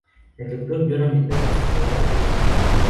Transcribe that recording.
El Doctor llora mientras la sujeta, moribunda.